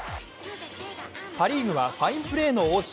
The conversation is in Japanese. パ・リーグはファインプレーの応酬